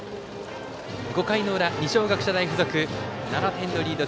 ５回の裏、二松学舎大付属７点リード。